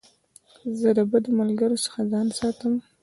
زه د بدو ملګرو څخه ځان ساتم.